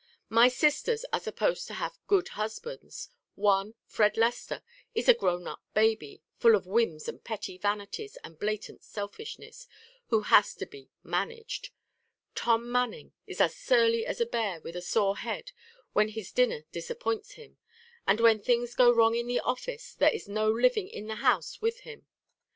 My sisters are supposed to have good husbands. One Fred Lester is a grown up baby, full of whims and petty vanities and blatant selfishness, who has to be 'managed.' Tom Manning is as surly as a bear with a sore head when his dinner disappoints him; and when things go wrong in the office there is no living in the house with him.